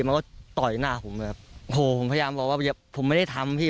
มันก็ต่อยหน้าผมแบบโหผมพยายามบอกว่าผมไม่ได้ทำพี่